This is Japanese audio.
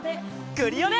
クリオネ！